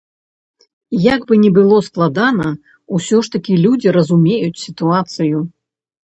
Як бы ні было складана, усё ж такі людзі разумеюць сітуацыю.